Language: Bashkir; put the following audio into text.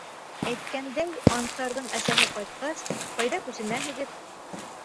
Әйткәндәй, Ансарҙың әсәһе ҡайтҡас, ҡайҙа күсенәһегеҙ?